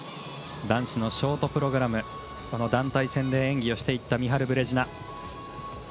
男子のショートプログラム団体戦で演技をしていったミハル・ブレジナ。